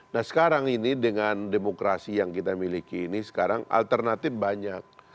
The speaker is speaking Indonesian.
nah sekarang ini dengan demokrasi yang kita miliki ini sekarang alternatif banyak